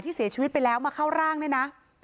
เสียชีวิตไปแล้วมาเข้าร่างเนี่ยนะ